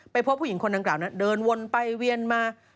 พบผู้หญิงคนดังกล่าวนั้นเดินวนไปเวียนมา